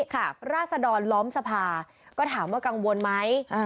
ราศดรล้อมสภาก็ถามว่ากังวลไหม